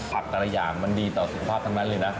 แต่ละอย่างมันดีต่อสุขภาพทั้งนั้นเลยนะ